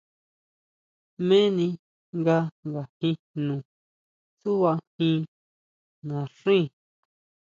¿Jméni nga ngajin jno tsuʼbajín naxín?